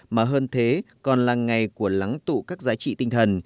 mà hơn thế còn là ngày của lắng tụ các giá trị tinh thần